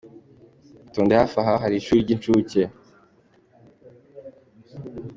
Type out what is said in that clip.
Itonde! Hafi aha hari ishuri ry'incuke.